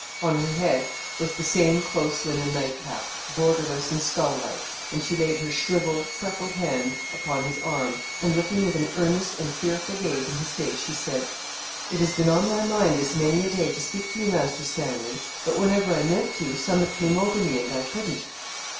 On her head was the same close linen nightcap, borderless and skull like, and she laid her shrivelled, freckled hand upon his arm, and looking with an earnest and fearful gaze in his face she said 'It has been on my mind this many a day to speak to you, Master Stanley; but whenever I meant to, summat came over me, and I couldn't.'